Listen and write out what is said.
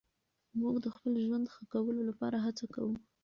موږ د خپل ژوند ښه کولو لپاره هڅه کوو.